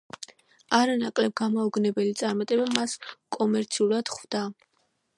არანაკლებ გამაოგნებელი წარმატება მას კომერციულად ხვდა.